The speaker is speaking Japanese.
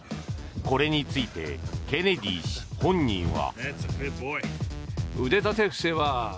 これについてケネディ氏本人は。